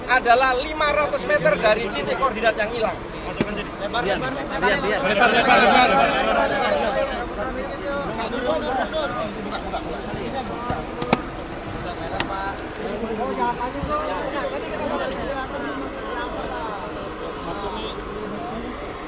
adalah lima ratus meter dari titik koordinat yang hilang